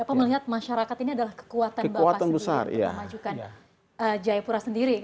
bapak melihat masyarakat ini adalah kekuatan bapak sendiri untuk memajukan jayapura sendiri